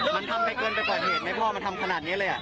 มันทำไปเกินไปกว่าเหตุไหมพ่อมันทำขนาดนี้เลย